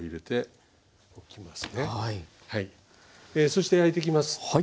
そして焼いていきます。